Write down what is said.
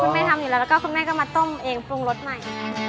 แม่ทำอยู่แล้วแล้วก็คุณแม่ก็มาต้มเองปรุงรสใหม่